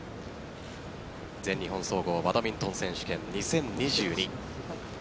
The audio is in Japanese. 全日本総合バドミントン選手権２０２２。